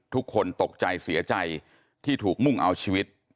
ทุกคนตกใจเสียใจที่ถูกมุ่งเอาชีวิต